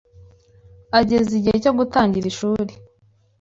ageze igihe cyo gutangira ishuri